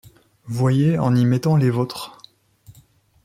Voyez en y mettant les vôtres...